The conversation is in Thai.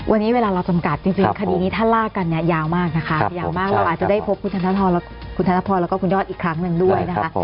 วันนี้เวลาเราจำกัดจริงคดีนี้ถ้าลากกันเนี่ยยาวมากนะคะยาวมากเราอาจจะได้พบคุณธนพรแล้วก็คุณยอดอีกครั้งหนึ่งด้วยนะคะ